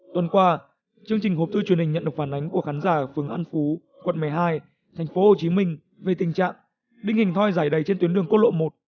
tuần qua chương trình hộp thư truyền hình nhận được phản ánh của khán giả ở phường an phú quận một mươi hai thành phố hồ chí minh về tình trạng đinh hình thoi giải đầy trên tuyến đường cốt lộ một